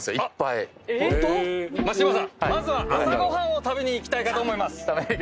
まずは朝ご飯を食べに行きたいかと思います。